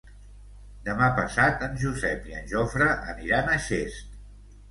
Demà passat en Josep i en Jofre aniran a Xest.